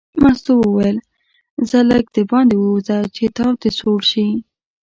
مستو وویل ځه لږ دباندې ووځه چې تاو دې سوړ شي.